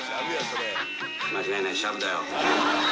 間違いない、シャブだよ。